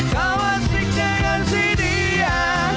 kau asik dengan si dia